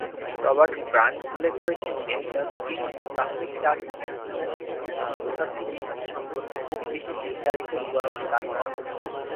Robert Grant উল্লেখ করেছেন যে, জাস্টিন প্রাথমিক চার্চ অনুশীলনের পিছনে ধর্মতাত্ত্বিক যুক্তি সম্পর্কে খুব বেশি বিস্তারিত বিবরণ দান করেন নি।